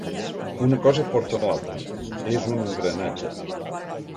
Una cosa porta l'altra: és un engranatge.